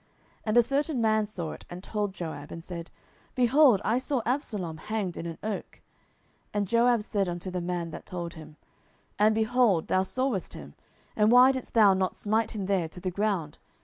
10:018:010 And a certain man saw it, and told Joab, and said, Behold, I saw Absalom hanged in an oak. 10:018:011 And Joab said unto the man that told him, And, behold, thou sawest him, and why didst thou not smite him there to the ground?